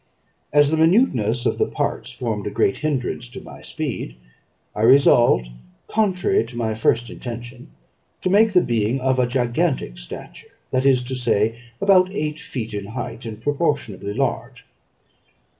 As the minuteness of the parts formed a great hinderance to my speed, I resolved, contrary to my first intention, to make the being of a gigantic stature; that is to say, about eight feet in height, and proportionably large.